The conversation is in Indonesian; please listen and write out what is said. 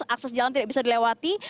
akses jalan tidak bisa dilewati